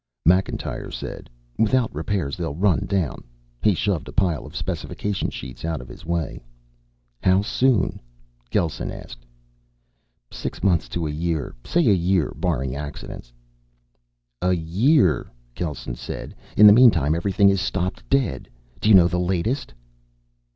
Macintyre said, "Without repairs they'll run down." He shoved a pile of specification sheets out of his way. "How soon?" Gelsen asked. "Six months to a year. Say a year, barring accidents." "A year," Gelsen said. "In the meantime, everything is stopping dead. Do you know the latest?"